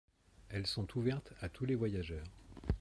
Elles sont ouvertes à tous les voyageurs.